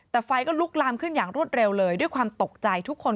แต่ไฟก็ลุกลามขึ้นอย่างรวดเร็วเลยด้วยความตกใจทุกคน